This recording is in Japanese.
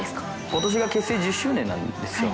ことしが結成１０周年なんですよ。